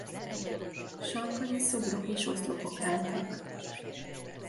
Sarkain szobrok és oszlopok álltak.